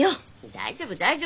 大丈夫大丈夫。